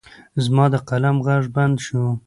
زما د قلم غږ بند شو.